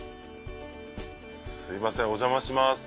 すいませんお邪魔します。